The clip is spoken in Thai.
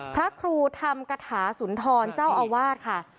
พระครูธรรมกฐาสุนทรเจ้าอาวาสค่ะ